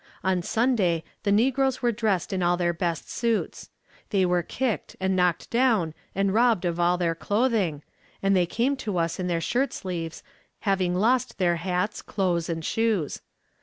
On Sunday, the negroes were dressed in their best suits. They were kicked, and knocked down and robbed of all their clothing, and they came to us in their shirtsleeves, having lost their hats, clothes, and shoes.